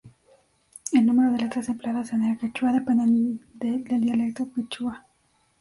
El número de letras empleadas en el Quechua dependen de del dialecto Quechua.